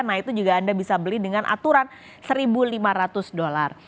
nah itu juga anda bisa beli dengan aturan satu lima ratus dolar